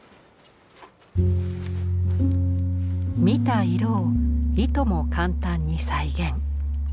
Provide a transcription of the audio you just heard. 見た色をいとも簡単に再現。